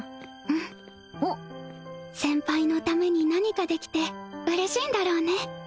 うんおっ先輩のために何かできて嬉しいんだろうね